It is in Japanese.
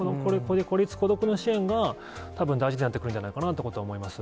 孤立、孤独の支援がたぶん大事になってくるんじゃないかなと思います。